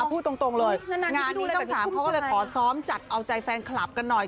พูดตรงเลยงานนี้ทั้งสามเขาก็เลยขอซ้อมจัดเอาใจแฟนคลับกันหน่อย